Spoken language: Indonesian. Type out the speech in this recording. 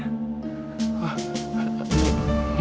aku sudah mimpi